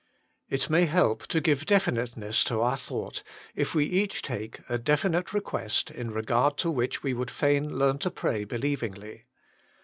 It may help to give definiteness to our thought, if we each take a definite request in regard to which we would fain learn to pray believingly.